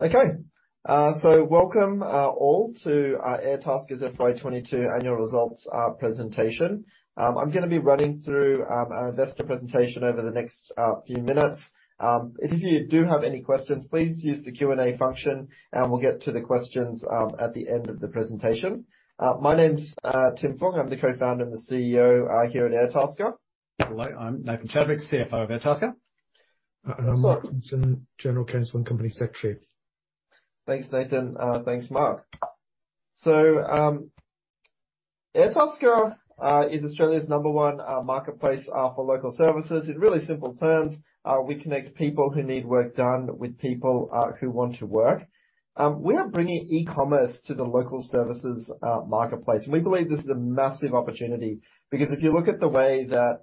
Okay. Welcome all to Airtasker's FY22 annual results presentation. I'm gonna be running through our investor presentation over the next few minutes. If you do have any questions, please use the Q&A function, and we'll get to the questions at the end of the presentation. My name's Tim Fung. I'm the Co-founder and CEO here at Airtasker. Hello, I'm Nathan Chadwick, CFO of Airtasker. I'm Mark Simpson, General Counsel and Company Secretary. Thanks, Nathan. Thanks, Mark. Airtasker is Australia's number one marketplace for local services. In really simple terms, we connect people who need work done with people who want to work. We are bringing e-commerce to the local services marketplace, and we believe this is a massive opportunity because if you look at the way that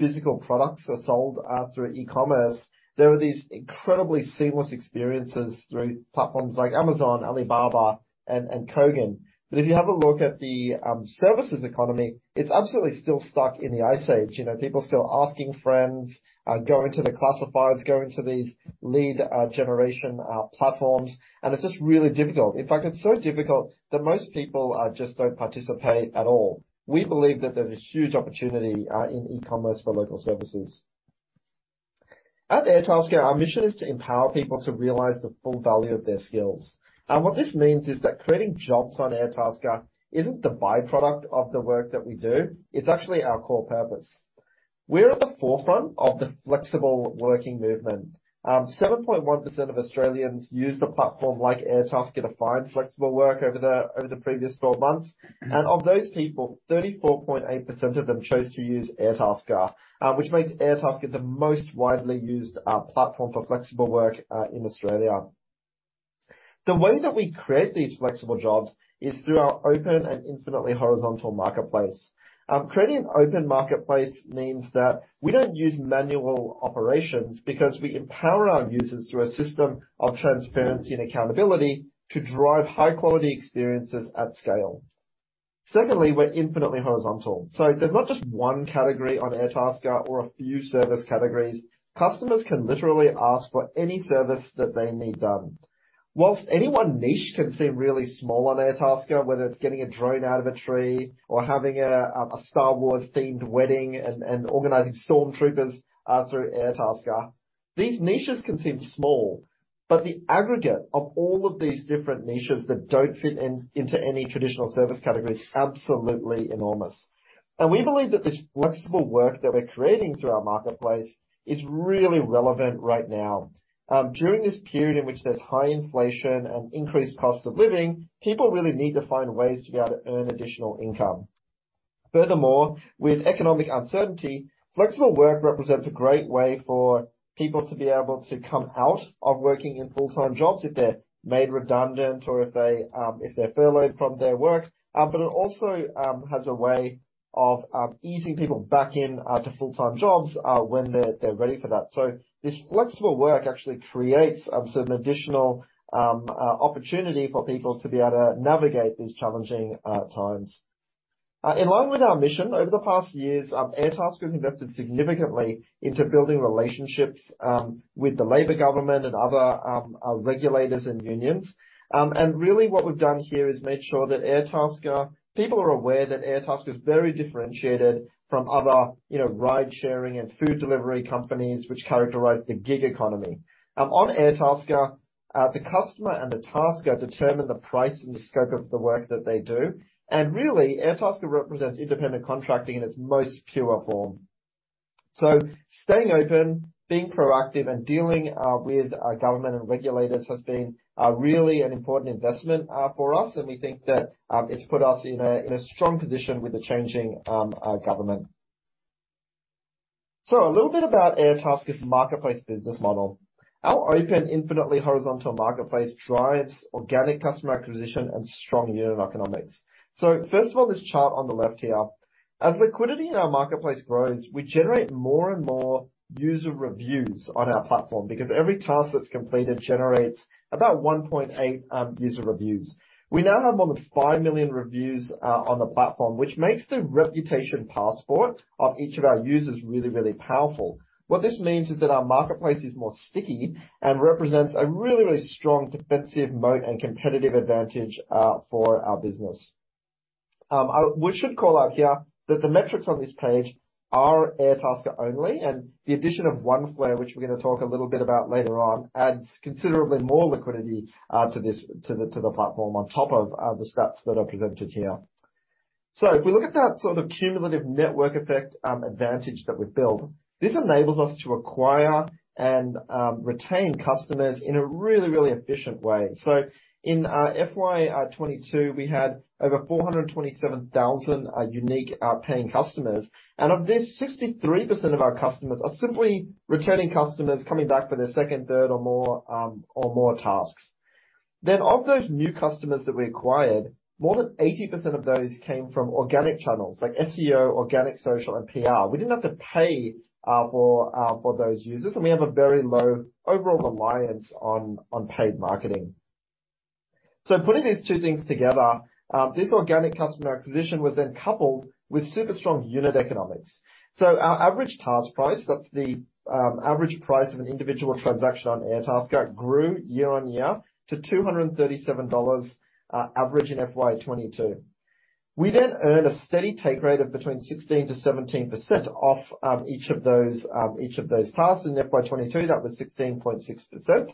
physical products are sold through e-commerce, there are these incredibly seamless experiences through platforms like Amazon, Alibaba, and Kogan. If you have a look at the services economy, it's absolutely still stuck in the Ice Age. You know, people still asking friends, going to the classifieds, going to these lead generation platforms, and it's just really difficult. In fact, it's so difficult that most people just don't participate at all. We believe that there's a huge opportunity in e-commerce for local services. At Airtasker, our mission is to empower people to realize the full value of their skills. What this means is that creating jobs on Airtasker isn't the byproduct of the work that we do, it's actually our core purpose. We're at the forefront of the flexible working movement. 7.1% of Australians used a platform like Airtasker to find flexible work over the previous twelve months. Of those people, 34.8% of them chose to use Airtasker, which makes Airtasker the most widely used platform for flexible work in Australia. The way that we create these flexible jobs is through our open and infinitely horizontal marketplace. Creating an open marketplace means that we don't use manual operations because we empower our users through a system of transparency and accountability to drive high-quality experiences at scale. Secondly, we're infinitely horizontal. There's not just one category on Airtasker or a few service categories. Customers can literally ask for any service that they need done. While any one niche can seem really small on Airtasker, whether it's getting a drone out of a tree or having a Star Wars-themed wedding and organizing stormtroopers through Airtasker. These niches can seem small, but the aggregate of all of these different niches that don't fit in, into any traditional service category is absolutely enormous. We believe that this flexible work that we're creating through our marketplace is really relevant right now. During this period in which there's high inflation and increased cost of living, people really need to find ways to be able to earn additional income. Furthermore, with economic uncertainty, flexible work represents a great way for people to be able to come out of working in full-time jobs if they're made redundant or if they're furloughed from their work. It also has a way of easing people back in to full-time jobs when they're ready for that. This flexible work actually creates sort of an additional opportunity for people to be able to navigate these challenging times. In line with our mission, over the past years, Airtasker's invested significantly into building relationships with the Labor government and other regulators and unions. Really what we've done here is made sure that Airtasker. People are aware that Airtasker is very differentiated from other, you know, ride-sharing and food delivery companies which characterize the gig economy. On Airtasker, the customer and the Tasker determine the price and the scope of the work that they do. Really, Airtasker represents independent contracting in its most pure form. Staying open, being proactive, and dealing with our government and regulators has been really an important investment for us, and we think that it's put us in a strong position with the changing government. A little bit about Airtasker's marketplace business model. Our open, infinitely horizontal marketplace drives organic customer acquisition and strong unit economics. First of all, this chart on the left here. As liquidity in our marketplace grows, we generate more and more user reviews on our platform because every task that's completed generates about 1.8 user reviews. We now have more than 5 million reviews on the platform, which makes the reputation passport of each of our users really, really powerful. What this means is that our marketplace is more sticky and represents a really, really strong defensive moat and competitive advantage for our business. We should call out here that the metrics on this page are Airtasker only, and the addition of Oneflare, which we're gonna talk a little bit about later on, adds considerably more liquidity to the platform on top of the stats that are presented here. If we look at that sort of cumulative network effect, advantage that we've built, this enables us to acquire and retain customers in a really, really efficient way. In FY22, we had over 427,000 unique paying customers. Of this, 63% of our customers are simply returning customers coming back for their second, third, or more tasks. Of those new customers that we acquired, more than 80% of those came from organic channels like SEO, organic social, and PR. We didn't have to pay for those users, and we have a very low overall reliance on paid marketing. Putting these two things together, this organic customer acquisition was then coupled with super strong unit economics. Our average task price, that's the average price of an individual transaction on Airtasker, grew year-on-year to 237 dollars average in FY22. We then earned a steady take rate of between 16%-17% off each of those tasks. In FY22, that was 16.6%.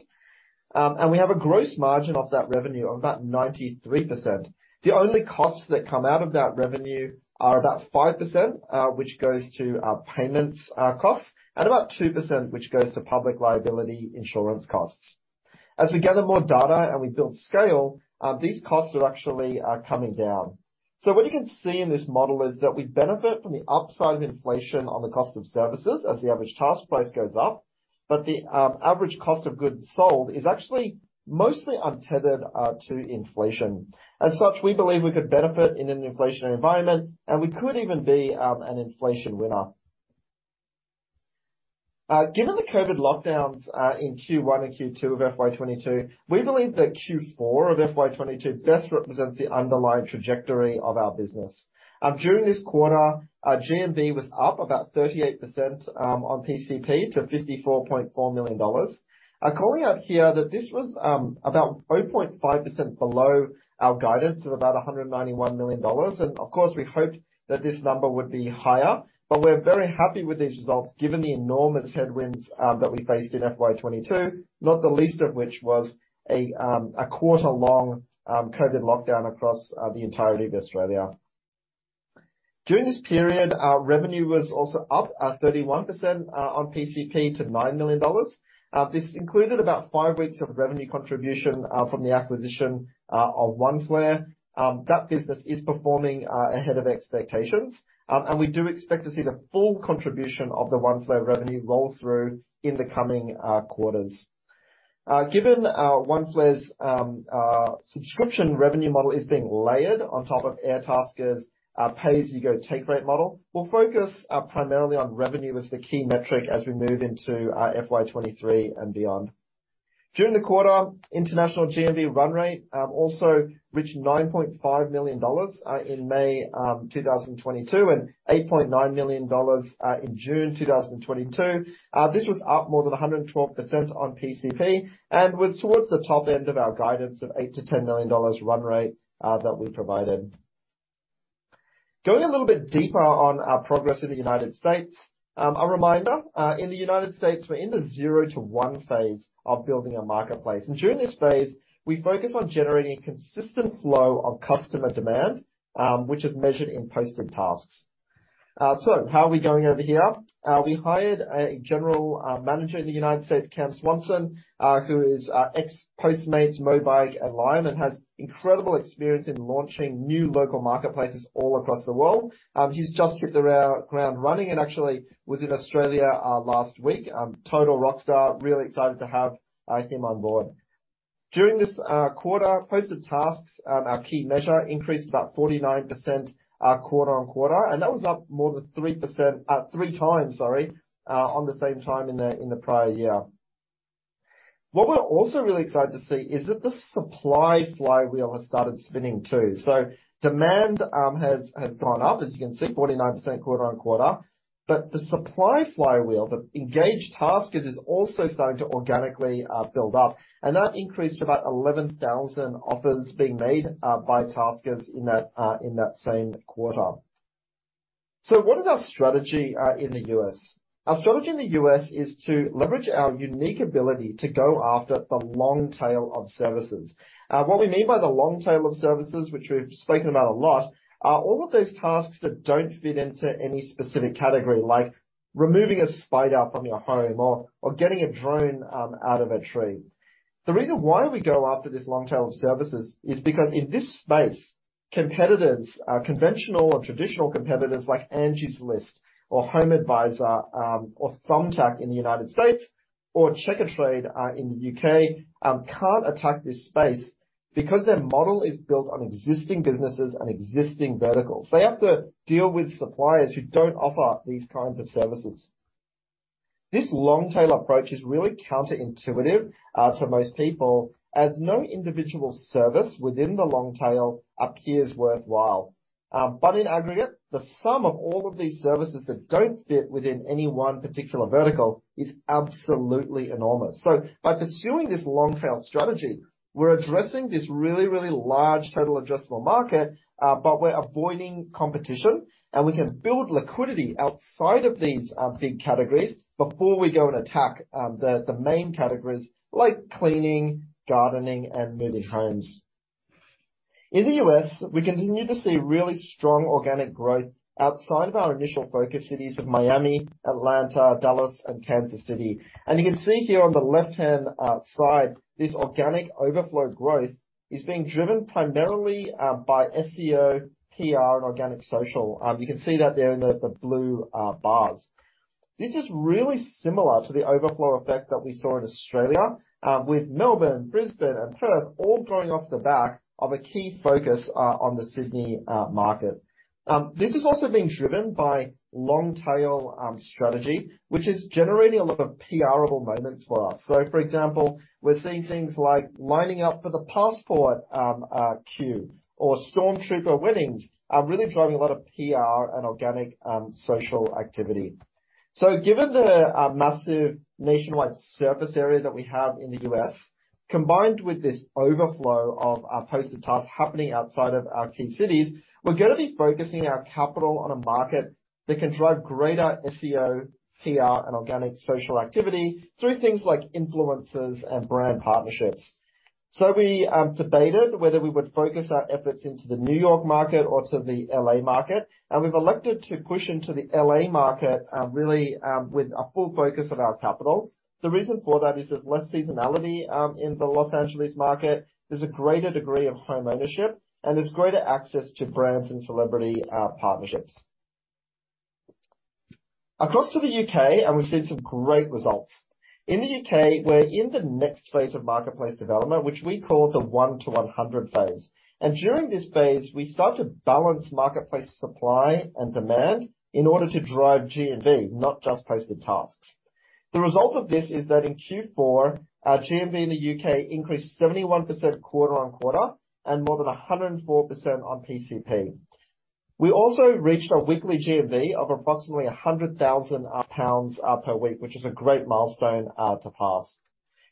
We have a gross margin off that revenue of about 93%. The only costs that come out of that revenue are about 5%, which goes to our payments costs, and about 2%, which goes to public liability insurance costs. As we gather more data and we build scale, these costs are actually coming down. What you can see in this model is that we benefit from the upside of inflation on the cost of services as the average task price goes up. The average cost of goods sold is actually mostly untethered to inflation. As such, we believe we could benefit in an inflationary environment, and we could even be an inflation winner. Given the COVID lockdowns in Q1 and Q2 of FY22, we believe that Q4 of FY22 best represents the underlying trajectory of our business. During this quarter, our GMV was up about 38% on PCP to 54.4 million dollars. I'm calling out here that this was about 0.5 below our guidance of about 191 million dollars. Of course, we hoped that this number would be higher. We're very happy with these results, given the enormous headwinds that we faced in FY22, not the least of which was a quarter-long COVID lockdown across the entirety of Australia. During this period, our revenue was also up 31% on PCP to 9 million dollars. This included about five weeks of revenue contribution from the acquisition of Oneflare. That business is performing ahead of expectations. We do expect to see the full contribution of the Oneflare revenue roll through in the coming quarters. Given Oneflare's subscription revenue model is being layered on top of Airtasker's pay-as-you-go take rate model, we'll focus primarily on revenue as the key metric as we move into FY23 and beyond. During the quarter, international GMV run rate also reached $9.5 million in May 2022, and $8.9 million in June 2022. This was up more than 112% on PCP and was towards the top end of our guidance of $8-$10 million run rate that we provided. Going a little bit deeper on our progress in the United States. A reminder, in the United States, we're in the zero to one phase of building a marketplace. During this phase, we focus on generating consistent flow of customer demand, which is measured in posted tasks. How are we going over here? We hired a General Manager in the United States, Cam Swanson, who is ex-Postmates, Mobike, and Lime, and has incredible experience in launching new local marketplaces all across the world. He's just hit the ground running and actually was in Australia last week. Total rock star. Really excited to have him on board. During this quarter, posted tasks, our key measure, increased about 49% quarter-on-quarter, and that was up more than three times, sorry, at the same time in the prior year. What we're also really excited to see is that the supply flywheel has started spinning too. Demand has gone up, as you can see, 49% quarter-on-quarter. The supply flywheel, the engaged taskers, is also starting to organically build up. That increased to about 11,000 offers being made by taskers in that same quarter. What is our strategy in the U.S.? Our strategy in the U.S. is to leverage our unique ability to go after the long tail of services. What we mean by the long tail of services, which we've spoken about a lot, are all of those tasks that don't fit into any specific category, like removing a spider from your home or getting a drone out of a tree. The reason why we go after this long tail of services is because in this space, competitors, conventional or traditional competitors like Angi or HomeAdvisor, or Thumbtack in the United States, or Checkatrade in the U.K., can't attack this space because their model is built on existing businesses and existing verticals. They have to deal with suppliers who don't offer these kinds of services. This long tail approach is really counterintuitive to most people, as no individual service within the long tail appears worthwhile. In aggregate, the sum of all of these services that don't fit within any one particular vertical is absolutely enormous. By pursuing this long tail strategy, we're addressing this really, really large total addressable market, but we're avoiding competition. We can build liquidity outside of these big categories before we go and attack the main categories like cleaning, gardening, and moving homes. In the U.S., we continue to see really strong organic growth outside of our initial focus cities of Miami, Atlanta, Dallas, and Kansas City. You can see here on the left-hand side, this organic overflow growth is being driven primarily by SEO, PR, and organic social. You can see that there in the blue bars. This is really similar to the overflow effect that we saw in Australia with Melbourne, Brisbane and Perth all growing off the back of a key focus on the Sydney market. This is also being driven by long tail strategy, which is generating a lot of PRable moments for us. For example, we're seeing things like lining up for the passport queue or storm trooper weddings are really driving a lot of PR and organic social activity. Given the massive nationwide surface area that we have in the U.S., combined with this overflow of our posted tasks happening outside of our key cities, we're gonna be focusing our capital on a market that can drive greater SEO, P.R., and organic social activity through things like influencers and brand partnerships. We debated whether we would focus our efforts into the New York market or to the L.A. market, and we've elected to push into the L.A. market, really, with a full focus on our capital. The reason for that is there's less seasonality in the Los Angeles market. There's a greater degree of home ownership, and there's greater access to brands and celebrity partnerships. Across to the U.K., and we've seen some great results. In the U.K., we're in the next phase of marketplace development, which we call the 1 to 100 phase. During this phase, we start to balance marketplace supply and demand in order to drive GMV, not just posted tasks. The result of this is that in Q4, our GMV in the U.K. increased 71% quarter-on-quarter and more than 104% on PCP. We also reached a weekly GMV of approximately 100,000 pounds per week, which is a great milestone to pass.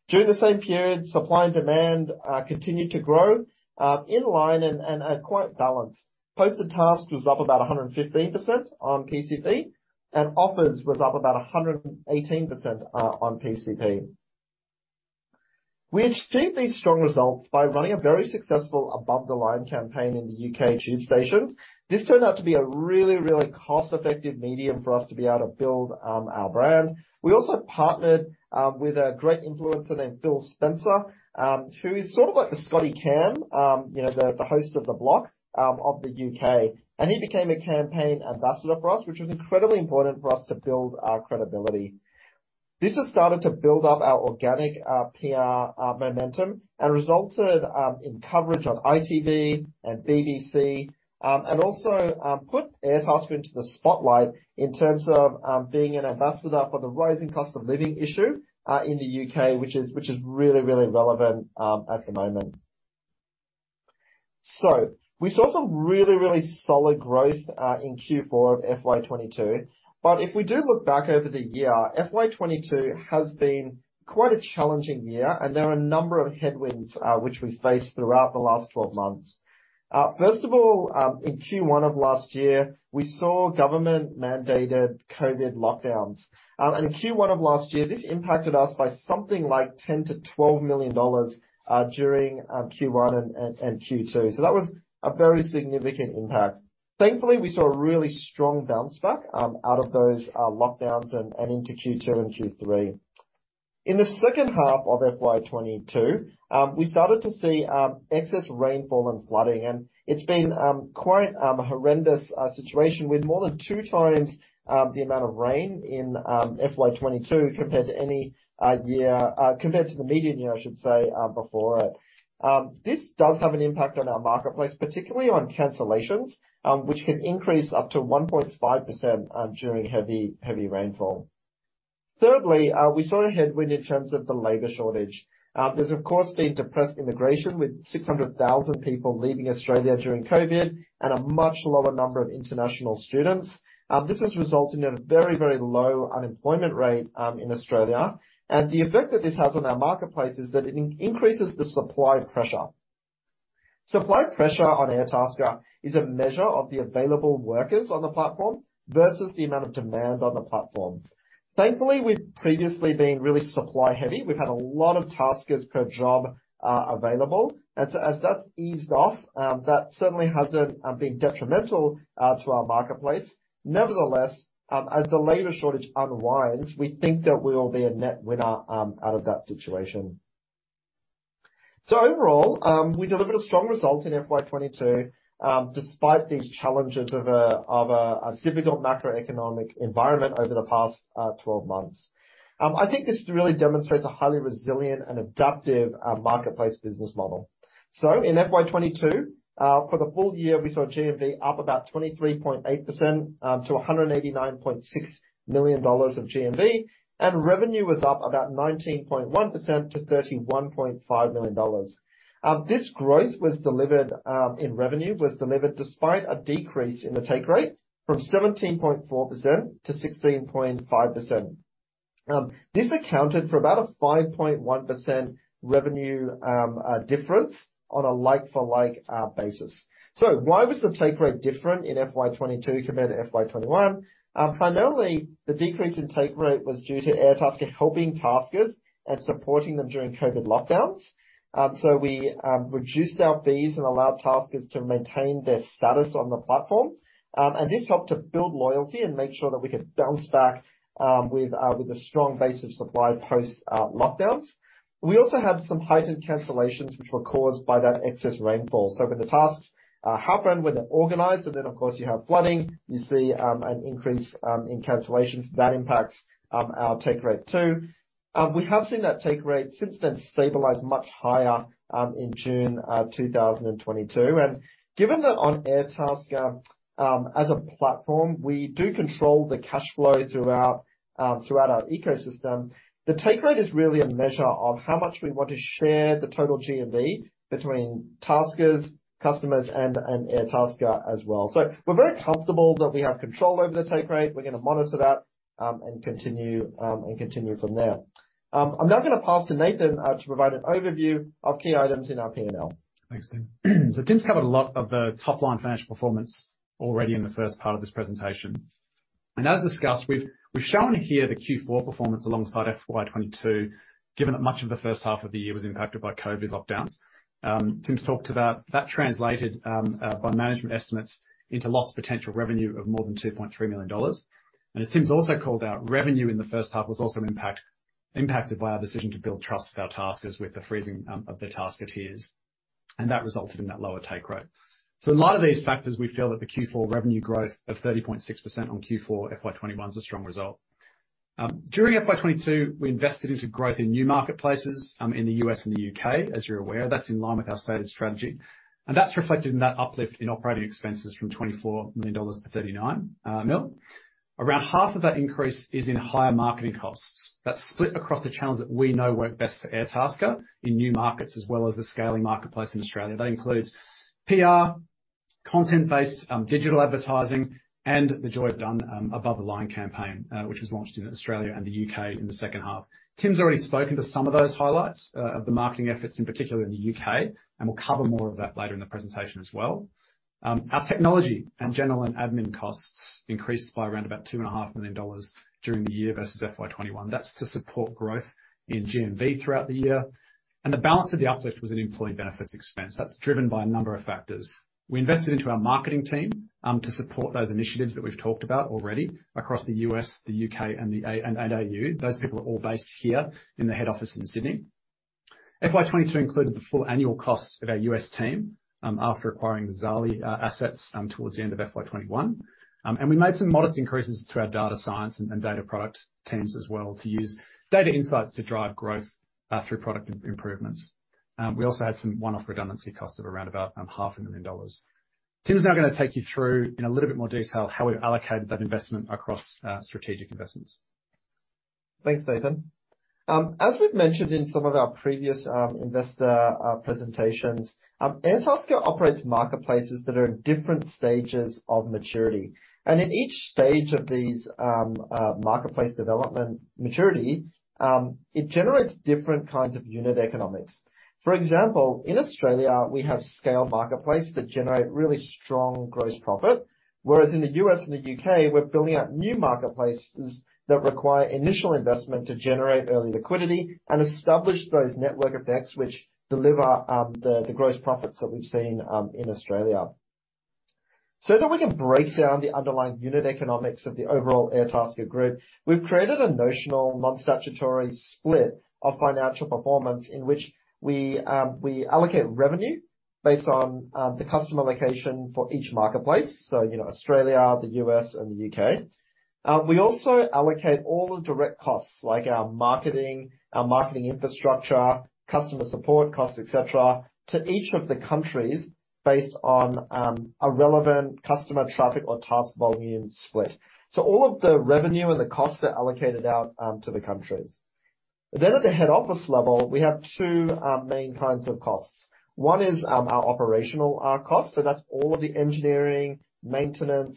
During the same period, supply and demand continued to grow in line and quite balanced. Posted tasks was up about 115% on PCP and offers was up about 118% on PCP. We achieved these strong results by running a very successful above the line campaign in the UK tube station. This turned out to be a really, really cost-effective medium for us to be able to build our brand. We also partnered with a great influencer named Phil Spencer, who is sort of like the Scotty Cam, you know, the host of The Block of the UK. He became a campaign ambassador for us, which was incredibly important for us to build our credibility. This has started to build up our organic PR momentum and resulted in coverage on ITV and BBC. Put Airtasker into the spotlight in terms of being an ambassador for the rising cost of living issue in the UK, which is really, really relevant at the moment. We saw some really, really solid growth in Q4 of FY22, but if we do look back over the year, FY22 has been quite a challenging year, and there are a number of headwinds which we faced throughout the last 12 months. First of all, in Q1 of last year, we saw government-mandated COVID lockdowns. In Q1 of last year, this impacted us by something like 10-12 million dollars during Q1 and Q2. That was a very significant impact. Thankfully, we saw a really strong bounce back out of those lockdowns and into Q2 and Q3. In the second half of FY22, we started to see excess rainfall and flooding, and it's been quite a horrendous situation with more than two times the amount of rain in FY22 compared to any year compared to the median year, I should say, before it. This does have an impact on our marketplace, particularly on cancellations, which can increase up to 1.5% during heavy rainfall. Thirdly, we saw a headwind in terms of the labor shortage. There's of course been depressed immigration, with 600,000 people leaving Australia during COVID and a much lower number of international students. This has resulted in a very low unemployment rate in Australia. The effect that this has on our marketplace is that it increases the supply pressure. Supply pressure on Airtasker is a measure of the available workers on the platform versus the amount of demand on the platform. Thankfully, we've previously been really supply heavy. We've had a lot of taskers per job available. As that's eased off, that certainly hasn't been detrimental to our marketplace. Nevertheless, as the labor shortage unwinds, we think that we will be a net winner out of that situation. Overall, we delivered a strong result in FY22 despite these challenges of a difficult macroeconomic environment over the past 12 months. I think this really demonstrates a highly resilient and adaptive marketplace business model. In FY22, for the full year, we saw GMV up about 23.8% to 189.6 million dollars of GMV, and revenue was up about 19.1% to 31.5 million dollars. This growth in revenue was delivered despite a decrease in the take rate from 17.4% to 16.5%. This accounted for about a 5.1% revenue difference on a like for like basis. Why was the take rate different in FY22 compared to FY21? Primarily the decrease in take rate was due to Airtasker helping taskers and supporting them during COVID lockdowns. We reduced our fees and allowed taskers to maintain their status on the platform. This helped to build loyalty and make sure that we could bounce back with a strong base of supply post lockdowns. We also had some heightened cancellations which were caused by that excess rainfall. When the tasks happened, when they're organized, and then of course you have flooding, you see an increase in cancellations. That impacts our take rate too. We have seen that take rate since then stabilize much higher in June 2022. Given that on Airtasker as a platform, we do control the cash flow throughout our ecosystem. The take rate is really a measure of how much we want to share the total GMV between taskers, customers and Airtasker as well. We're very comfortable that we have control over the take rate. We're gonna monitor that, and continue from there. I'm now gonna pass to Nathan to provide an overview of key items in our P&L. Thanks, Tim. Tim's covered a lot of the top-line financial performance already in the first part of this presentation. As discussed, we've shown here the Q4 performance alongside FY22. Given that much of the first half of the year was impacted by COVID lockdowns. Tim's talked to that. That translated by management estimates into lost potential revenue of more than 2.3 million dollars. As Tim's also called out, revenue in the first half was also impacted by our decision to build trust with our taskers with the freezing of their Tasker Tiers, and that resulted in that lower take rate. A lot of these factors, we feel that the Q4 revenue growth of 30.6% on Q4 FY21 is a strong result. During FY22, we invested into growth in new marketplaces in the US and the UK. As you're aware, that's in line with our stated strategy, and that's reflected in that uplift in operating expenses from 24 million dollars to 39 million. Around half of that increase is in higher marketing costs. That's split across the channels that we know work best for Airtasker in new markets as well as the scaling marketplace in Australia. That includes PR, content-based digital advertising, and The Joy of Done above the line campaign, which was launched in Australia and the UK in the second half. Tim's already spoken to some of those highlights of the marketing efforts, in particular in the UK, and we'll cover more of that later in the presentation as well. Our technology and general and admin costs increased by around about two and a half million dollars during the year versus FY21. That's to support growth in GMV throughout the year. The balance of the uplift was in employee benefits expense. That's driven by a number of factors. We invested into our marketing team, to support those initiatives that we've talked about already across the U.S., the U.K., and AU. Those people are all based here in the head office in Sydney. FY22 included the full annual costs of our U.S. team, after acquiring the Zaarly assets, towards the end of FY21. We made some modest increases to our data science and data product teams as well, to use data insights to drive growth, through product improvements. We also had some one-off redundancy costs of around about half a million dollars. Tim's now gonna take you through, in a little bit more detail, how we've allocated that investment across strategic investments. Thanks, Nathan. As we've mentioned in some of our previous investor presentations, Airtasker operates marketplaces that are in different stages of maturity. In each stage of these marketplace development maturity, it generates different kinds of unit economics. For example, in Australia we have scaled marketplace that generate really strong gross profit, whereas in the U.S. and the U.K. we're building out new marketplaces that require initial investment to generate early liquidity and establish those network effects which deliver the gross profits that we've seen in Australia. So that we can break down the underlying unit economics of the overall Airtasker Group, we've created a notional non-statutory split of financial performance in which we allocate revenue based on the customer location for each marketplace, so, you know, Australia, the U.S. and the U.K. We also allocate all the direct costs, like our marketing, our marketing infrastructure, customer support costs, et cetera, to each of the countries based on a relevant customer traffic or task volume split. All of the revenue and the costs are allocated out to the countries. At the head office level, we have two main kinds of costs. One is our operational costs. That's all of the engineering, maintenance,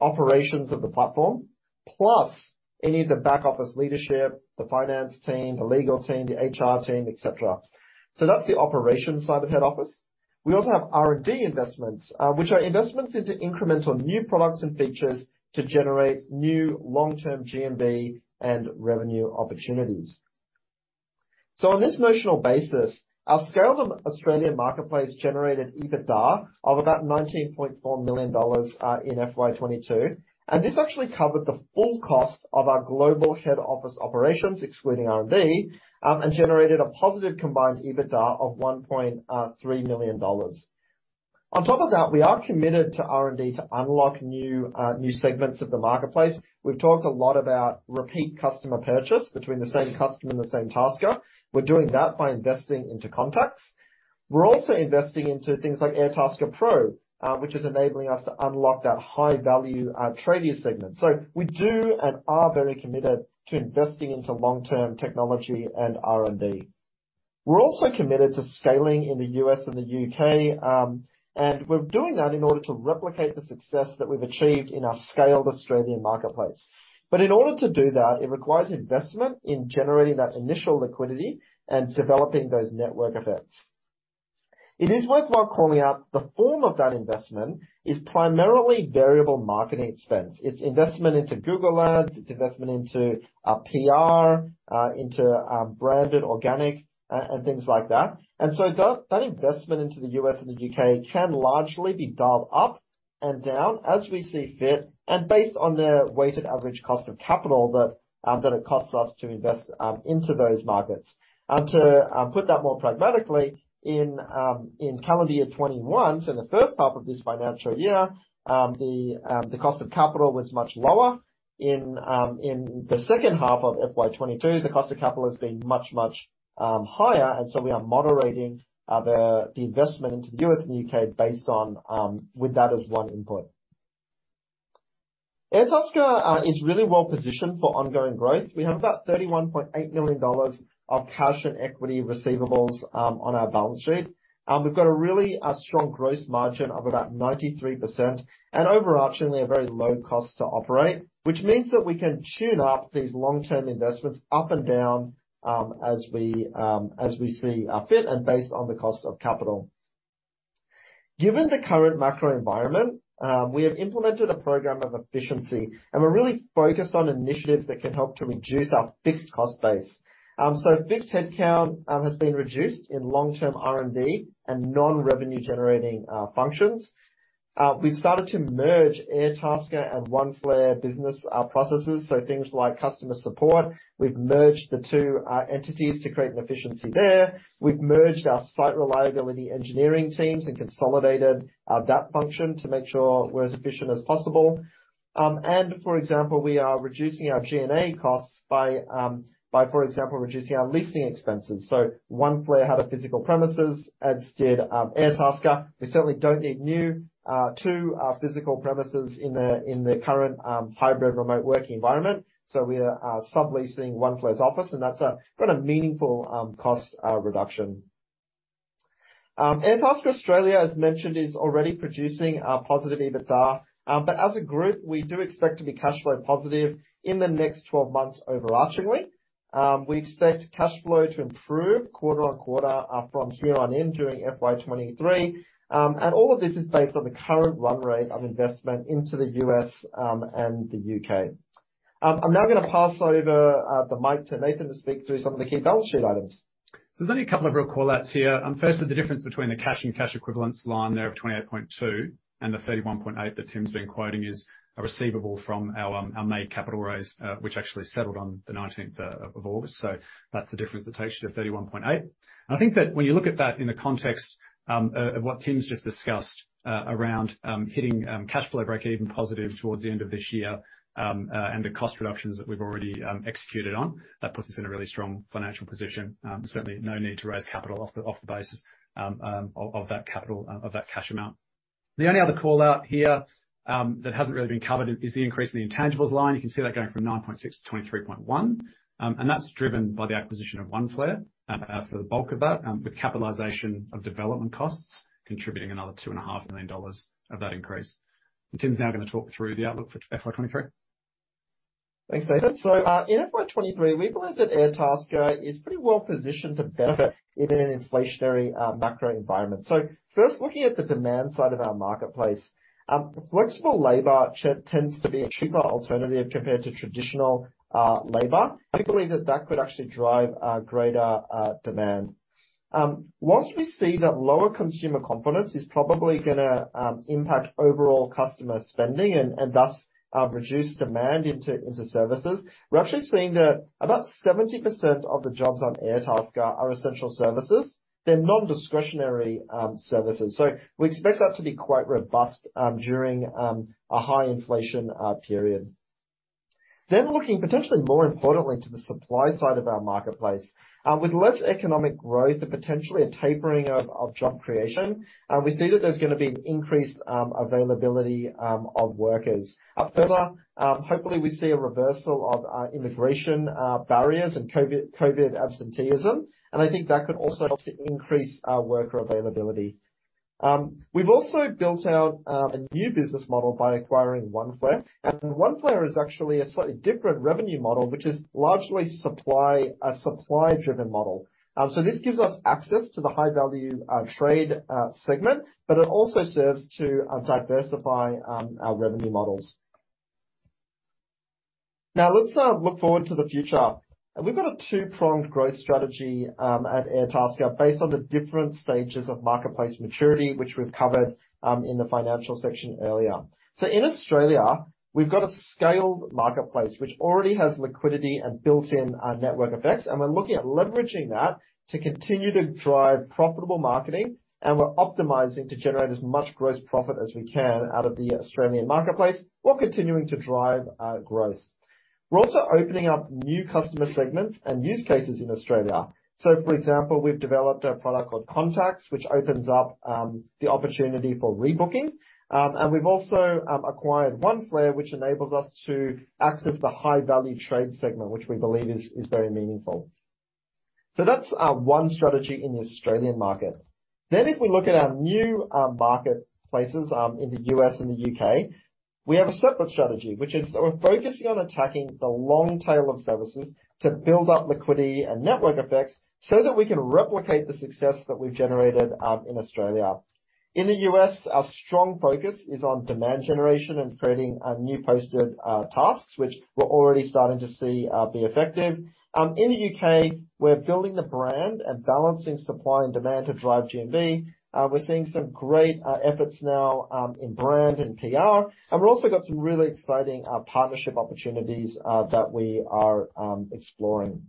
operations of the platform, plus any of the back office leadership, the finance team, the legal team, the HR team, et cetera. That's the operations side of the head office. We also have R&D investments, which are investments into incremental new products and features to generate new long-term GMV and revenue opportunities. On this notional basis, our scaled Australian marketplace generated EBITDA of about 19.4 million dollars in FY 2022. This actually covered the full cost of our global head office operations, excluding R&D, and generated a positive combined EBITDA of 1.3 million dollars. On top of that, we are committed to R&D to unlock new segments of the marketplace. We've talked a lot about repeat customer purchase between the same customer and the same tasker. We're doing that by investing into contacts. We're also investing into things like Airtasker Pro, which is enabling us to unlock that high-value tradie segment. We do and are very committed to investing into long-term technology and R&D. We're also committed to scaling in the U.S. and the U.K., and we're doing that in order to replicate the success that we've achieved in our scaled Australian marketplace. In order to do that, it requires investment in generating that initial liquidity and developing those network effects. It is worthwhile calling out the form of that investment is primarily variable marketing expense. It's investment into Google Ads, it's investment into PR, into branded organic and things like that. That investment into the U.S. and the U.K. can largely be dialed up and down as we see fit and based on the weighted average cost of capital that it costs us to invest into those markets. To put that more pragmatically, in calendar year 2021, so in the first half of this financial year, the cost of capital was much lower. In the second half of FY22, the cost of capital has been much higher, and so we are moderating the investment into the U.S. and U.K. based on with that as one input. Airtasker is really well positioned for ongoing growth. We have about 31.8 million dollars of cash and equity receivables on our balance sheet. We've got a really strong gross margin of about 93% and overarchingly a very low cost to operate, which means that we can tune up these long-term investments up and down as we see fit and based on the cost of capital. Given the current macro environment, we have implemented a program of efficiency, and we're really focused on initiatives that can help to reduce our fixed cost base. Fixed headcount has been reduced in long-term R&D and non-revenue generating functions. We've started to merge Airtasker and Oneflare business processes, so things like customer support. We've merged the two entities to create an efficiency there. We've merged our site reliability engineering teams and consolidated that function to make sure we're as efficient as possible. For example, we are reducing our G&A costs by, for example, reducing our leasing expenses. Oneflare had a physical premises, as did Airtasker. We certainly don't need two physical premises in the current hybrid remote working environment. We are subleasing Oneflare's office, and that's a kinda meaningful cost reduction. Airtasker Australia, as mentioned, is already producing positive EBITDA. As a group, we do expect to be cash flow positive in the next 12 months overarchingly. We expect cash flow to improve quarter-on-quarter from here on in during FY23. All of this is based on the current run rate of investment into the U.S. and the U.K. I'm now gonna pass over the mic to Nathan to speak through some of the key balance sheet items. There's only a couple of real call-outs here. Firstly, the difference between the cash and cash equivalents line there of 28.2 and the 31.8 that Tim's been quoting is a receivable from our May capital raise, which actually settled on the 19th of August. That's the difference that takes you to 31.8. I think that when you look at that in the context of what Tim's just discussed around hitting cash flow breakeven positive towards the end of this year and the cost reductions that we've already executed on, that puts us in a really strong financial position. Certainly no need to raise capital off the basis of that capital of that cash amount. The only other call-out here, that hasn't really been covered is the increase in the intangibles line. You can see that going from 9.6 to 23.1. That's driven by the acquisition of Oneflare, for the bulk of that, with capitalization of development costs contributing another 2.5 million dollars of that increase. Tim's now gonna talk through the outlook for FY23. Thanks, Nathan. In FY23, we believe that Airtasker is pretty well positioned to benefit in an inflationary macro environment. First looking at the demand side of our marketplace. Flexible labor tends to be a cheaper alternative compared to traditional labor. We believe that that could actually drive greater demand. While we see that lower consumer confidence is probably gonna impact overall customer spending and thus reduce demand into services, we're actually seeing that about 70% of the jobs on Airtasker are essential services. They're non-discretionary services. We expect that to be quite robust during a high inflation period. Looking potentially more importantly to the supply side of our marketplace. With less economic growth and potentially a tapering of job creation, we see that there's gonna be an increased availability of workers. Further, hopefully, we see a reversal of immigration barriers and COVID absenteeism, and I think that could also help to increase worker availability. We've also built out a new business model by acquiring Oneflare. Oneflare is actually a slightly different revenue model, which is largely a supply-driven model. This gives us access to the high-value trade segment, but it also serves to diversify our revenue models. Now let's look forward to the future. We've got a two-pronged growth strategy at Airtasker based on the different stages of marketplace maturity, which we've covered in the financial section earlier. In Australia, we've got a scaled marketplace which already has liquidity and built-in network effects, and we're looking at leveraging that to continue to drive profitable marketing, and we're optimizing to generate as much gross profit as we can out of the Australian marketplace while continuing to drive growth. We're also opening up new customer segments and use cases in Australia. For example, we've developed a product called Contacts, which opens up the opportunity for rebooking. We've also acquired Oneflare, which enables us to access the high-value trade segment, which we believe is very meaningful. That's one strategy in the Australian market. If we look at our new marketplaces in the U.S. and the U.K., we have a separate strategy, which is we're focusing on attacking the long tail of services to build up liquidity and network effects so that we can replicate the success that we've generated in Australia. In the U.S., our strong focus is on demand generation and creating new posted tasks which we're already starting to see be effective. In the U.K., we're building the brand and balancing supply and demand to drive GMV. We're seeing some great efforts now in brand and PR, and we've also got some really exciting partnership opportunities that we are exploring.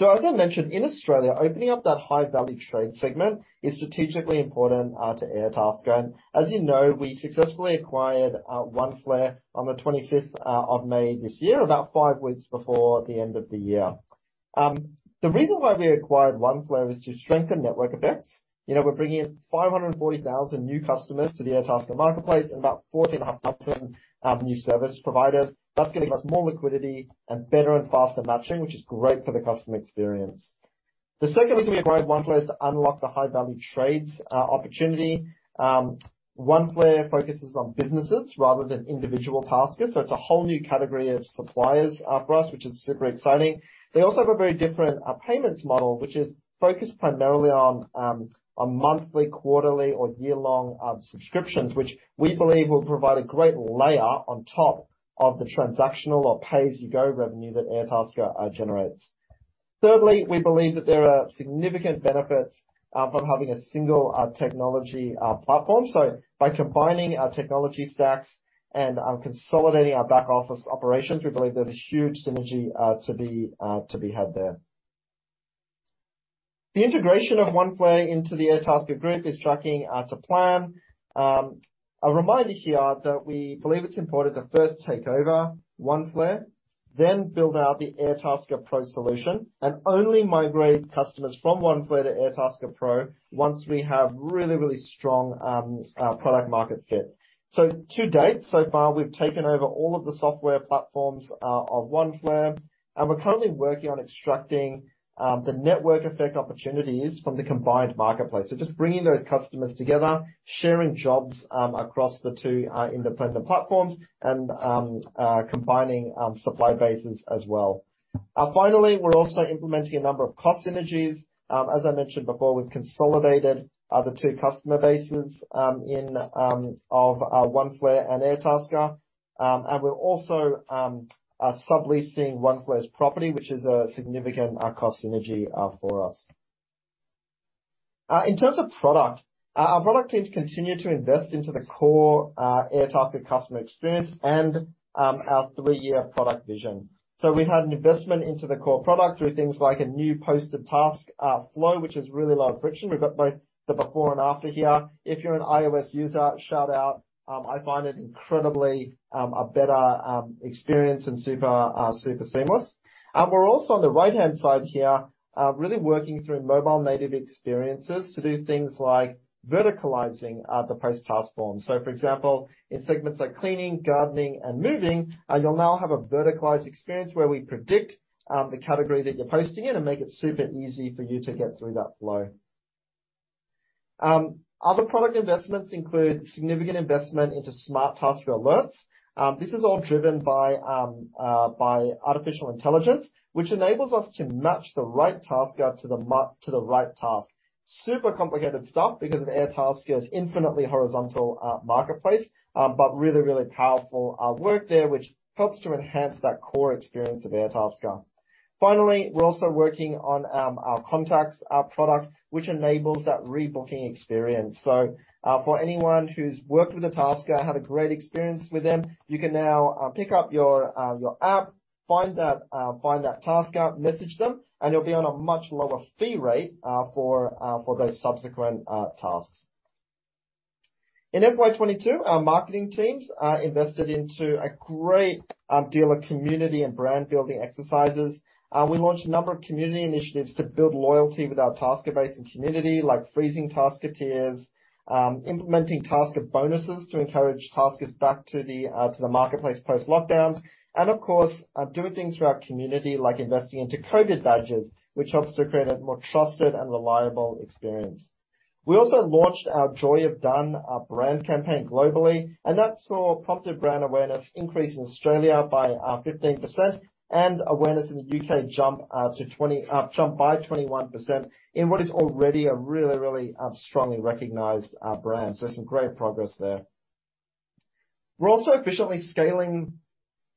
As I mentioned, in Australia, opening up that high-value trade segment is strategically important to Airtasker. As you know, we successfully acquired Oneflare on the 25th of May this year, about five weeks before the end of the year. The reason why we acquired Oneflare was to strengthen network effects. You know, we're bringing in 540,000 new customers to the Airtasker marketplace and about 1,400,000 new service providers. That's giving us more liquidity and better and faster matching, which is great for the customer experience. The second reason we acquired Oneflare is to unlock the high-value trades opportunity. Oneflare focuses on businesses rather than individual taskers, so it's a whole new category of suppliers for us, which is super exciting. They also have a very different payments model, which is focused primarily on monthly, quarterly, or year-long subscriptions, which we believe will provide a great layer on top of the transactional or pay-as-you-go revenue that Airtasker generates. Thirdly, we believe that there are significant benefits from having a single technology platform. By combining our technology stacks and consolidating our back-office operations, we believe there's huge synergy to be had there. The integration of Oneflare into the Airtasker Group is tracking to plan. A reminder here that we believe it's important to first take over Oneflare, then build out the Airtasker Pro solution and only migrate customers from Oneflare to Airtasker Pro once we have really, really strong product market fit. To date, we've taken over all of the software platforms of Oneflare, and we're currently working on extracting the network effect opportunities from the combined marketplace. Just bringing those customers together, sharing jobs across the two independent platforms and combining supply bases as well. Finally, we're also implementing a number of cost synergies. As I mentioned before, we've consolidated the two customer bases of Oneflare and Airtasker. We're also subleasing Oneflare's property, which is a significant cost synergy for us. In terms of product, our product teams continue to invest into the core Airtasker customer experience and our three-year product vision. We've had an investment into the core product through things like a new posted task flow, which is really low friction. We've got both the before and after here. If you're an iOS user, shout out. I find it incredibly a better experience and super seamless. We're also on the right-hand side here really working through mobile native experiences to do things like verticalizing the post task form. For example, in segments like cleaning, gardening, and moving, you'll now have a verticalized experience where we predict the category that you're posting in and make it super easy for you to get through that flow. Other product investments include significant investment into smart Tasker alerts. This is all driven by artificial intelligence, which enables us to match the right Tasker to the right task. Super complicated stuff because of Airtasker's infinitely horizontal marketplace, but really powerful work there, which helps to enhance that core experience of Airtasker. Finally, we're also working on our Contacts, our product, which enables that rebooking experience. For anyone who's worked with a Tasker, had a great experience with them, you can now pick up your app, find that Tasker, message them, and you'll be on a much lower fee rate for those subsequent tasks. In FY22, our marketing teams invested into a great deal of community and brand-building exercises. We launched a number of community initiatives to build loyalty with our Tasker base and community, like freezing Tasker Tiers, implementing Tasker bonuses to encourage Taskers back to the marketplace post-lockdown. Of course, doing things for our community, like investing into COVID badges, which helps to create a more trusted and reliable experience. We also launched our Joy of Done, our brand campaign globally, and that saw prompted brand awareness increase in Australia by 15% and awareness in the UK jump by 21% in what is already a really strongly recognized brand. Some great progress there. We're also efficiently scaling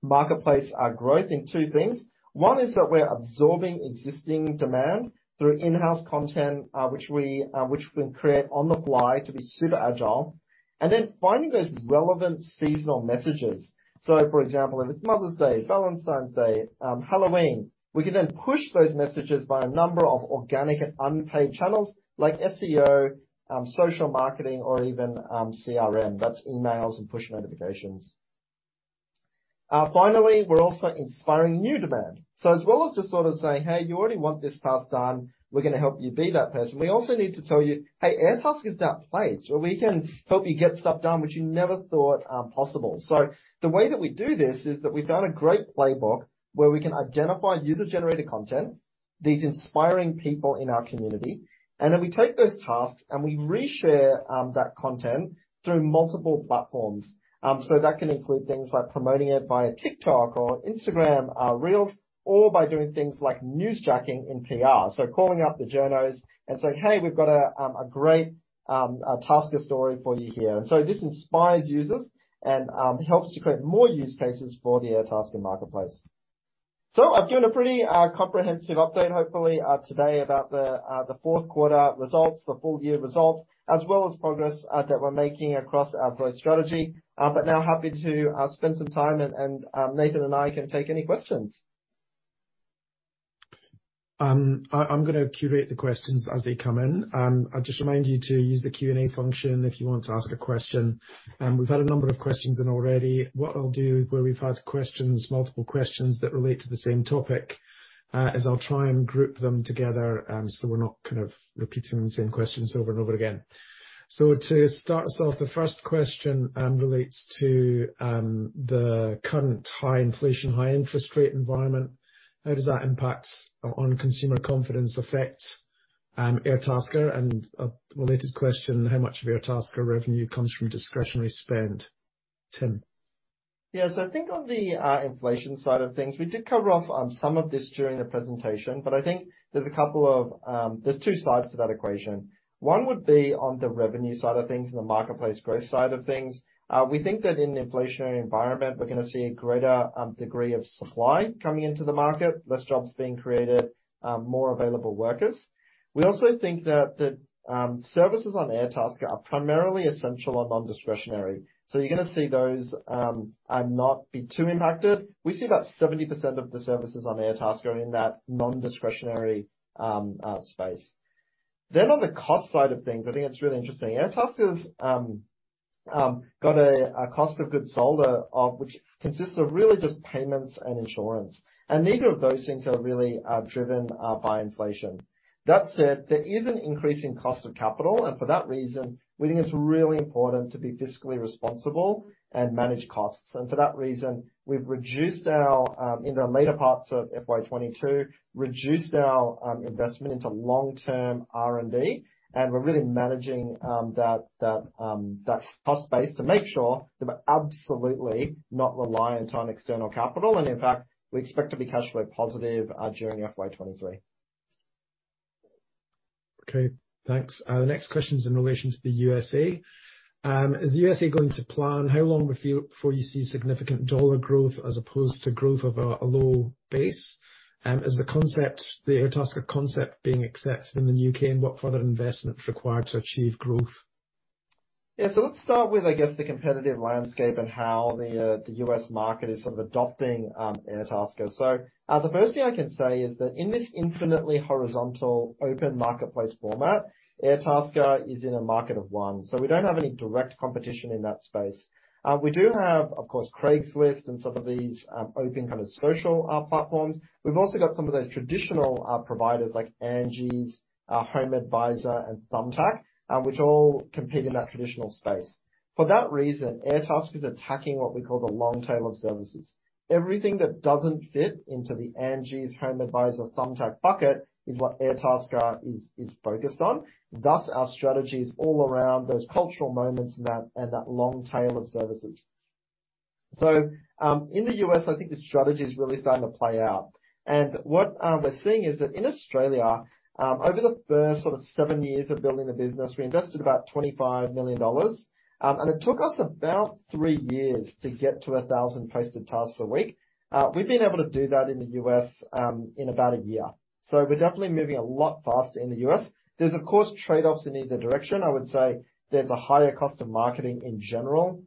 marketplace growth in two things. One is that we're absorbing existing demand through in-house content, which we can create on the fly to be super agile, and then finding those relevant seasonal messages. For example, if it's Mother's Day, Valentine's Day, Halloween, we can then push those messages via a number of organic and unpaid channels like SEO, social marketing or even CRM. That's emails and push notifications. Finally, we're also inspiring new demand. As well as just sort of saying, "Hey, you already want this task done, we're gonna help you be that person," we also need to tell you, "Hey, Airtasker's that place where we can help you get stuff done which you never thought possible." The way that we do this is that we've done a great playbook where we can identify user-generated content. These inspiring people in our community. We take those tasks, and we re-share that content through multiple platforms. That can include things like promoting it via TikTok or Instagram Reels, or by doing things like newsjacking in PR. Calling up the journos and saying, "Hey, we've got a great Tasker story for you here." This inspires users and helps to create more use cases for the Airtasker marketplace. I've given a pretty comprehensive update, hopefully, today about the fourth quarter results, the full year results, as well as progress that we're making across our growth strategy. Now happy to spend some time, and Nathan and I can take any questions. I'm gonna curate the questions as they come in. I'd just remind you to use the Q&A function if you want to ask a question. We've had a number of questions in already. What I'll do where we've had questions, multiple questions that relate to the same topic, is I'll try and group them together, so we're not kind of repeating the same questions over and over again. To start us off, the first question relates to the current high inflation, high interest rate environment. How does that impact on consumer confidence affect Airtasker? And a related question, how much of Airtasker revenue comes from discretionary spend? Tim. Yeah. I think on the inflation side of things, we did cover off on some of this during the presentation, but I think there's two sides to that equation. One would be on the revenue side of things and the marketplace growth side of things. We think that in an inflationary environment, we're gonna see a greater degree of supply coming into the market, less jobs being created, more available workers. We also think that the services on Airtasker are primarily essential or nondiscretionary, so you're gonna see those not be too impacted. We see about 70% of the services on Airtasker are in that nondiscretionary space. On the cost side of things, I think it's really interesting. Airtasker has a cost of goods sold, which consists of really just payments and insurance, and neither of those things are really driven by inflation. That said, there is an increase in cost of capital, and for that reason, we think it's really important to be fiscally responsible and manage costs. For that reason, we've reduced our investment into long-term R&D in the later parts of FY22, and we're really managing that cost base to make sure that we're absolutely not reliant on external capital. In fact, we expect to be cash flow positive during FY23. Okay, thanks. The next question's in relation to the U.S. Is the U.S. going to plan? How long before you see significant dollar growth as opposed to growth of a low base? Is the concept, the Airtasker concept being accepted in the U.K., and what further investment is required to achieve growth? Yeah. Let's start with, I guess, the competitive landscape and how the US market is sort of adopting Airtasker. The first thing I can say is that in this infinitely horizontal open marketplace format, Airtasker is in a market of one. We don't have any direct competition in that space. We do have, of course, Craigslist and some of these open kind of social platforms. We've also got some of those traditional providers like Angi, HomeAdvisor, and Thumbtack, which all compete in that traditional space. For that reason, Airtasker is attacking what we call the long tail of services. Everything that doesn't fit into the Angi, HomeAdvisor, Thumbtack bucket is what Airtasker is focused on. Thus, our strategy is all around those cultural moments and that long tail of services. In the U.S., I think the strategy is really starting to play out. What we're seeing is that in Australia, over the first sort of seven years of building a business, we invested about 25 million dollars, and it took us about three years to get to 1,000 posted tasks a week. We've been able to do that in the U.S. in about one year. We're definitely moving a lot faster in the U.S. There's of course trade-offs in either direction. I would say there's a higher cost of marketing in general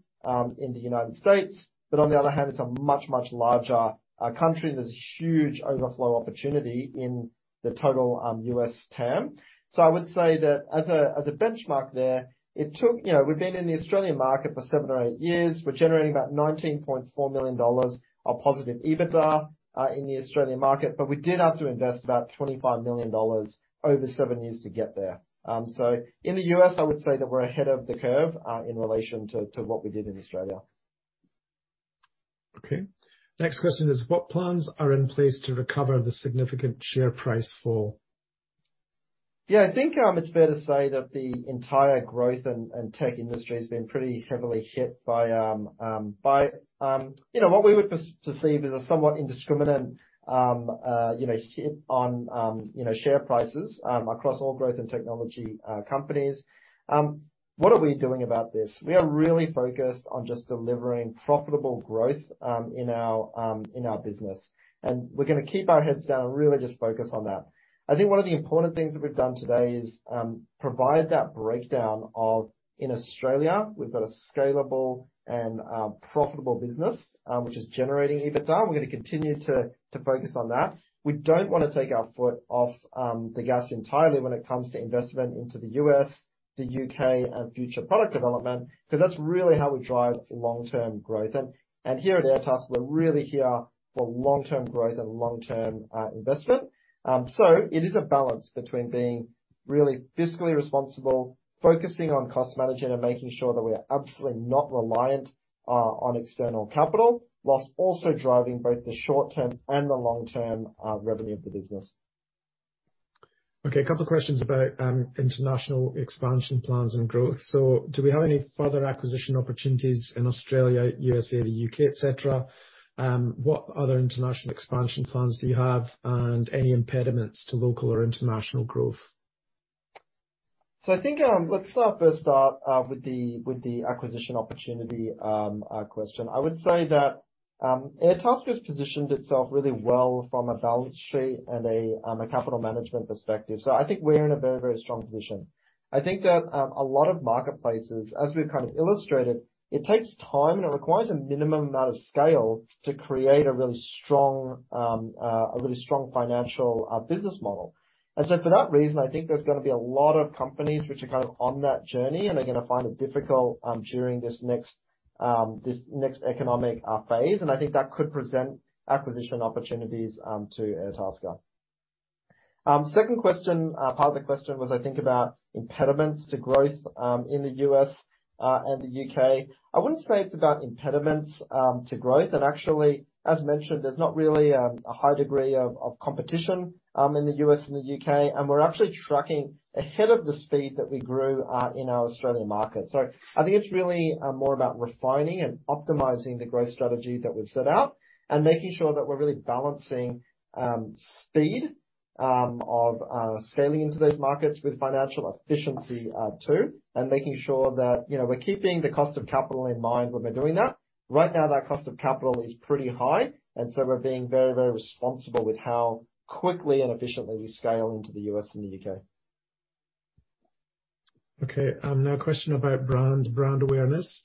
in the United States. On the other hand, it's a much, much larger country. There's huge overflow opportunity in the total U.S. TAM. I would say that as a benchmark there, it took. You know, we've been in the Australian market for seven or eight years. We're generating about 19.4 million dollars of positive EBITDA in the Australian market, but we did have to invest about 25 million dollars over seven years to get there. In the US, I would say that we're ahead of the curve in relation to what we did in Australia. Okay. Next question is what plans are in place to recover the significant share price fall? Yeah. I think it's fair to say that the entire growth and tech industry has been pretty heavily hit by you know what we would perceive as a somewhat indiscriminate you know hit on you know share prices across all growth and technology companies. What are we doing about this? We are really focused on just delivering profitable growth in our business. We're gonna keep our heads down and really just focus on that. I think one of the important things that we've done today is provide that breakdown of in Australia we've got a scalable and profitable business which is generating EBITDA and we're gonna continue to focus on that. We don't wanna take our foot off the gas entirely when it comes to investment into the U.S., the U.K., and future product development, 'cause that's really how we drive long-term growth. Here at Airtasker, we're really here for long-term growth and long-term investment. It is a balance between being really fiscally responsible, focusing on cost management and making sure that we are absolutely not reliant on external capital, while also driving both the short-term and the long-term revenue of the business. Okay, a couple questions about international expansion plans and growth. Do we have any further acquisition opportunities in Australia, USA, the U.K., et cetera? What other international expansion plans do you have and any impediments to local or international growth? I think let's first start with the acquisition opportunity question. I would say that Airtasker has positioned itself really well from a balance sheet and a capital management perspective. I think we're in a very, very strong position. I think that a lot of marketplaces, as we've kind of illustrated, it takes time, and it requires a minimum amount of scale to create a really strong financial business model. For that reason, I think there's gonna be a lot of companies which are kind of on that journey, and they're gonna find it difficult during this next economic phase. I think that could present acquisition opportunities to Airtasker. Second question, part of the question was, I think, about impediments to growth in the U.S. and the U.K. I wouldn't say it's about impediments to growth. Actually, as mentioned, there's not really a high degree of competition in the U.S. and the U.K., and we're actually tracking ahead of the speed that we grew in our Australian market. I think it's really more about refining and optimizing the growth strategy that we've set out and making sure that we're really balancing speed of scaling into those markets with financial efficiency too, and making sure that, you know, we're keeping the cost of capital in mind when we're doing that. Right now, that cost of capital is pretty high, and so we're being very, very responsible with how quickly and efficiently we scale into the U.S. and the U.K. Okay, now a question about brand awareness.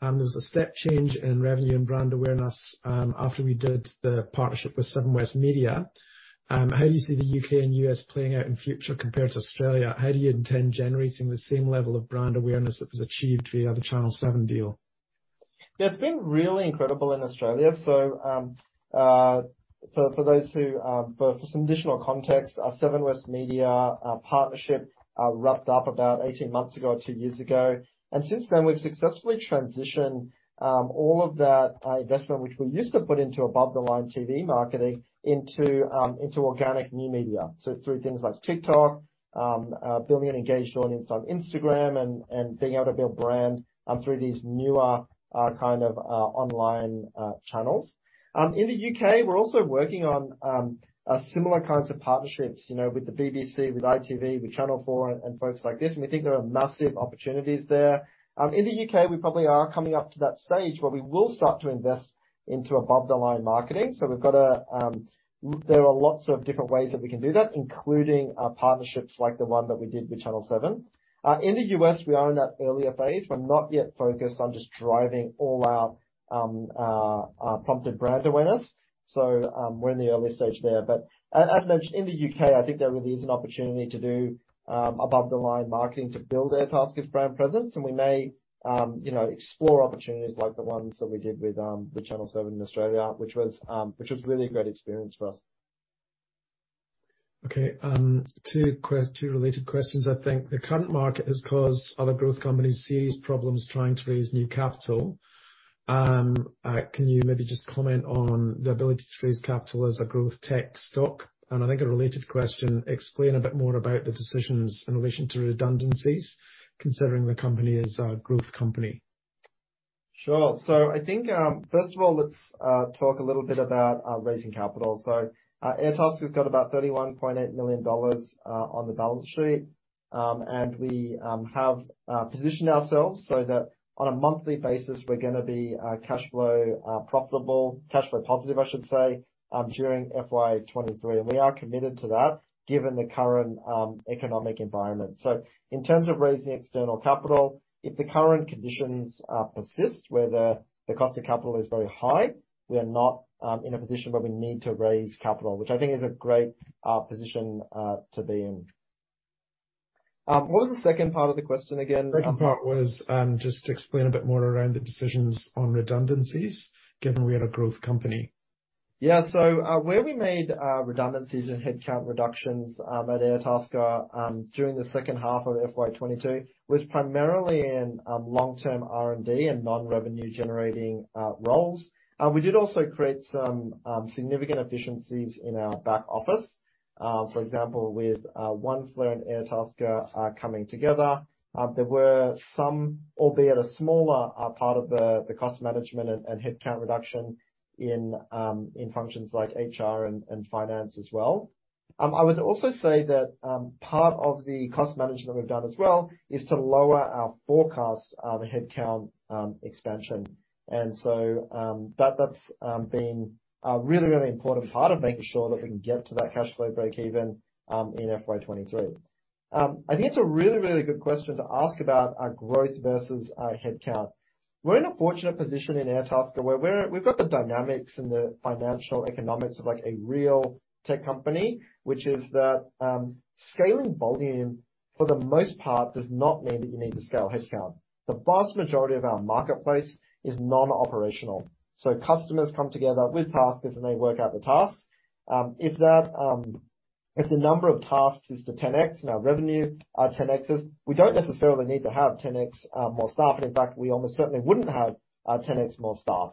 There was a step change in revenue and brand awareness, after we did the partnership with Seven West Media. How do you see the UK and US playing out in future compared to Australia? How do you intend generating the same level of brand awareness that was achieved via the Seven Network deal? Yeah, it's been really incredible in Australia. For some additional context, our Seven West Media partnership wrapped up about 18 months ago or two years ago, and since then, we've successfully transitioned all of that investment which we used to put into above-the-line TV marketing into organic new media. Through things like TikTok, building an engaged audience on Instagram and being able to build brand through these newer kind of online channels. In the UK, we're also working on similar kinds of partnerships, you know, with the BBC, with ITV, with Channel 4 and folks like this, and we think there are massive opportunities there. In the UK, we probably are coming up to that stage where we will start to invest into above-the-line marketing. We've got to there are lots of different ways that we can do that, including partnerships like the one that we did with Channel 7. In the US, we are in that earlier phase. We're not yet focused on just driving all our unprompted brand awareness. We're in the early stage there. As mentioned, in the UK, I think there really is an opportunity to do above-the-line marketing to build Airtasker's brand presence, and we may you know explore opportunities like the ones that we did with the Channel 7 in Australia, which was really a great experience for us. Two related questions, I think. The current market has caused other growth companies serious problems trying to raise new capital. Can you maybe just comment on the ability to raise capital as a growth tech stock? I think a related question, explain a bit more about the decisions in relation to redundancies, considering the company is a growth company. Sure. I think, first of all, let's talk a little bit about raising capital. Airtasker's got about 31.8 million dollars on the balance sheet. We have positioned ourselves so that on a monthly basis, we're gonna be cash flow profitable, cash flow positive, I should say, during FY23. We are committed to that given the current economic environment. In terms of raising external capital, if the current conditions persist, where the cost of capital is very high, we're not in a position where we need to raise capital, which I think is a great position to be in. What was the second part of the question again? Second part was, just explain a bit more around the decisions on redundancies, given we are a growth company. Where we made redundancies and headcount reductions at Airtasker during the second half of FY22 was primarily in long-term R&D and non-revenue generating roles. We did also create some significant efficiencies in our back office. For example, with Oneflare and Airtasker coming together, there were some, albeit a smaller part of the cost management and headcount reduction in functions like HR and finance as well. I would also say that part of the cost management we've done as well is to lower our forecast of a headcount expansion. That's been a really important part of making sure that we can get to that cash flow break even in FY23. I think it's a really, really good question to ask about our growth versus our headcount. We're in a fortunate position in Airtasker where we've got the dynamics and the financial economics of, like, a real tech company, which is that scaling volume for the most part does not mean that you need to scale headcount. The vast majority of our marketplace is non-operational. Customers come together with taskers, and they work out the tasks. If the number of tasks is to 10x and our revenue 10x's, we don't necessarily need to have 10x more staff. In fact, we almost certainly wouldn't have 10x more staff.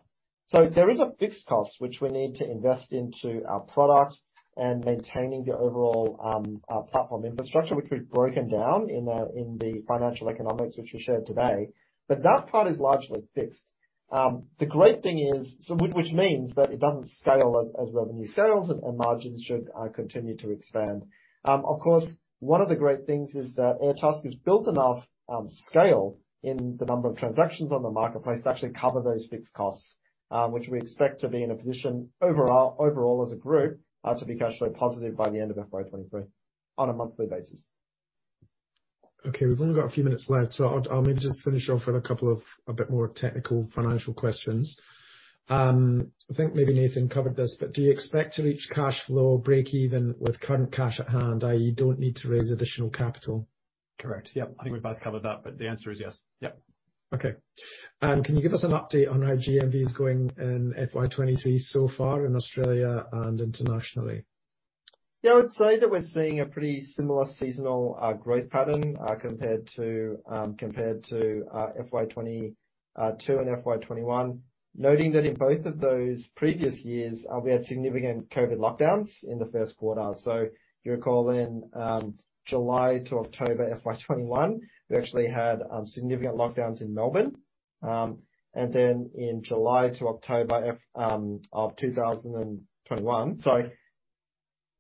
There is a fixed cost which we need to invest into our product and maintaining the overall our platform infrastructure, which we've broken down in the financial economics which we shared today. That part is largely fixed. The great thing is, which means that it doesn't scale as revenue sales and margins should continue to expand. Of course, one of the great things is that Airtasker's built enough scale in the number of transactions on the marketplace to actually cover those fixed costs, which we expect to be in a position overall as a group to be cash flow positive by the end of FY23 on a monthly basis. Okay, we've only got a few minutes left, so I'll maybe just finish off with a couple of a bit more technical financial questions. I think maybe Nathan covered this, but do you expect to reach cash flow breakeven with current cash at hand, i.e., you don't need to raise additional capital? Correct. Yep. I think we've both covered that, but the answer is yes. Yep. Okay. Can you give us an update on how GMV is going in FY23 so far in Australia and internationally? Yeah, I'd say that we're seeing a pretty similar seasonal growth pattern, compared to FY22 and FY21. Noting that in both of those previous years, we had significant COVID lockdowns in the first quarter. You recall in July to October FY21, we actually had significant lockdowns in Melbourne. And then in July to October of 2021.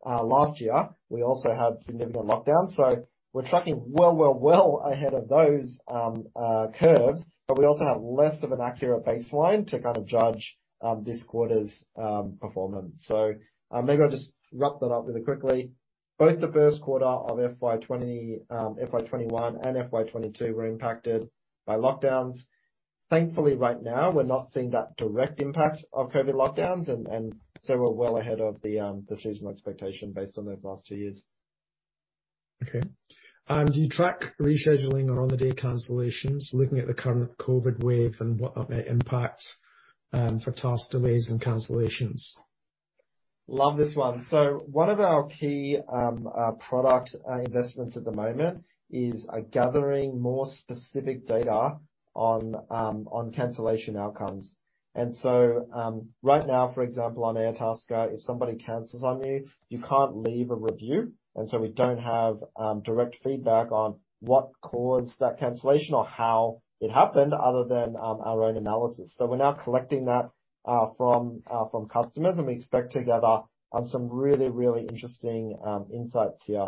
Last year we also had significant lockdowns. We're tracking well ahead of those curves, but we also have less of an accurate baseline to kind of judge this quarter's performance. Maybe I'll just wrap that up really quickly. Both the first quarter of FY21 and FY22 were impacted by lockdowns. Thankfully right now we're not seeing that direct impact of COVID lockdowns and so we're well ahead of the seasonal expectation based on those last two years. Okay. Do you track rescheduling or on the day cancellations, looking at the current COVID wave and what are their impacts, for task delays and cancellations? Love this one. One of our key product investments at the moment is gathering more specific data on cancellation outcomes. Right now, for example, on Airtasker, if somebody cancels on you can't leave a review. We don't have direct feedback on what caused that cancellation or how it happened other than our own analysis. We're now collecting that from customers, and we expect to gather some really, really interesting insights here.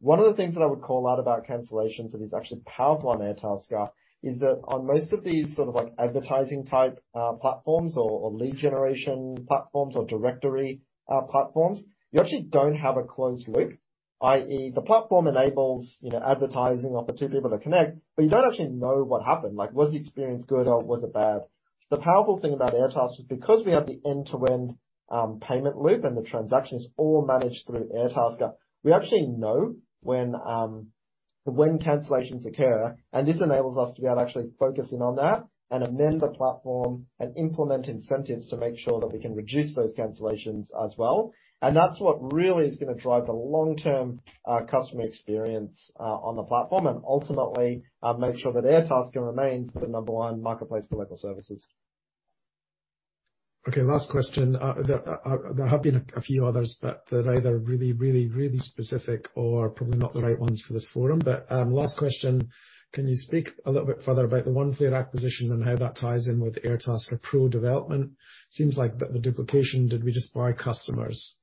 One of the things that I would call out about cancellations that is actually powerful on Airtasker is that on most of these sort of like advertising type platforms or lead generation platforms or directory platforms, you actually don't have a closed loop, i.e., the platform enables, you know, advertising or for two people to connect, but you don't actually know what happened. Like, was the experience good or was it bad? The powerful thing about Airtasker is because we have the end-to-end payment loop and the transaction is all managed through Airtasker, we actually know when cancellations occur, and this enables us to be able to actually focus in on that and amend the platform and implement incentives to make sure that we can reduce those cancellations as well. That's what really is gonna drive the long-term customer experience on the platform and ultimately make sure that Airtasker remains the number one marketplace for local services. Okay, last question. There have been a few others, but they're either really specific or probably not the right ones for this forum. Last question, can you speak a little bit further about the Oneflare acquisition and how that ties in with Airtasker Pro development? Seems like a bit of a duplication. Did we just buy customers?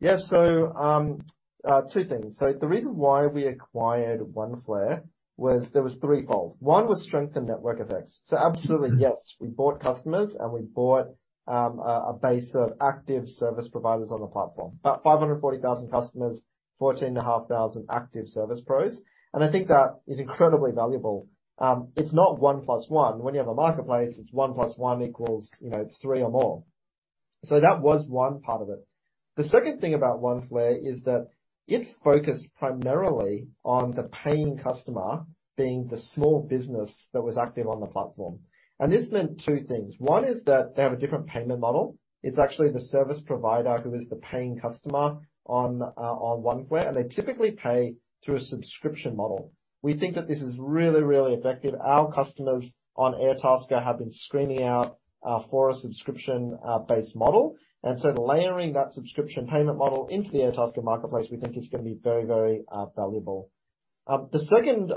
Yeah, two things. The reason why we acquired Oneflare was there was threefold. One was strengthen network effects. Absolutely, yes, we bought customers and we bought a base of active service providers on the platform. About 540,000 customers, 14,500 active service pros. I think that is incredibly valuable. It's not one plus one. When you have a marketplace, it's one plus one equals, you know, three or more. That was one part of it. The second thing about Oneflare is that it's focused primarily on the paying customer being the small business that was active on the platform. This meant two things. One is that they have a different payment model. It's actually the service provider who is the paying customer on Oneflare, and they typically pay through a subscription model. We think that this is really effective. Our customers on Airtasker have been screaming out for a subscription based model, and so layering that subscription payment model into the Airtasker marketplace, we think is gonna be very valuable. The second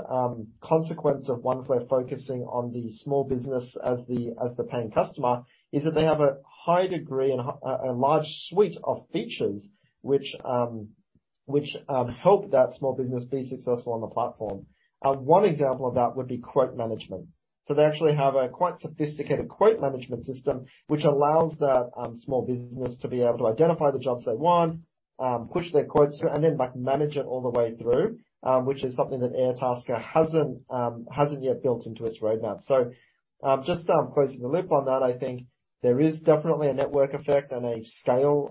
consequence of Oneflare focusing on the small business as the paying customer is that they have a high degree and a large suite of features which help that small business be successful on the platform. One example of that would be quote management. They actually have a quite sophisticated quote management system, which allows that small business to be able to identify the jobs they want, push their quotes through, and then, like manage it all the way through, which is something that Airtasker hasn't yet built into its roadmap. Just closing the loop on that, I think there is definitely a network effect and a scale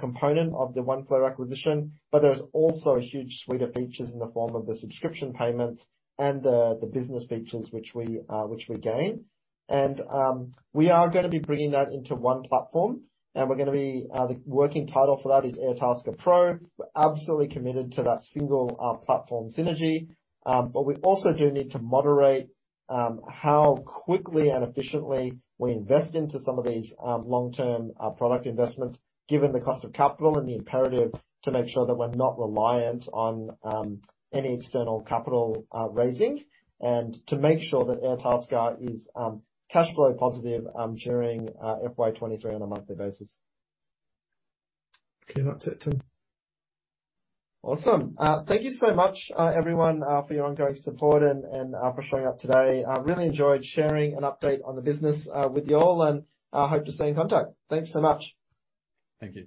component of the Oneflare acquisition, but there is also a huge suite of features in the form of the subscription payments and the business features which we gain. We are gonna be bringing that into one platform, and the working title for that is Airtasker Pro. We're absolutely committed to that single platform synergy. We also do need to moderate how quickly and efficiently we invest into some of these long-term product investments, given the cost of capital and the imperative to make sure that we're not reliant on any external capital raisings, and to make sure that Airtasker is cash flow positive during FY23 on a monthly basis. Okay. That's it, Tim. Awesome. Thank you so much, everyone, for your ongoing support and for showing up today. I really enjoyed sharing an update on the business with you all, and I hope to stay in contact. Thanks so much. Thank you.